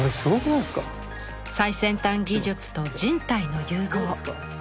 最先端技術と人体の融合。